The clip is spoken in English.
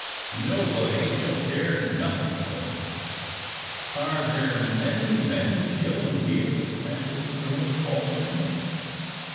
Nobody don't care nothin' for 'em." "Are there many men killing deer?" asked the little girl, falteringly.